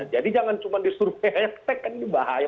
jadi jangan cuma disurvei hashtag kan ini bahaya